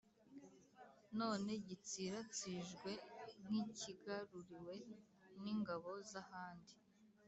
none gitsiratsijwe nk’ikigaruriwe n’ingabo z’ahandi.